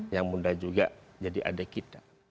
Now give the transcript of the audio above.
yang muda juga jadi adik kita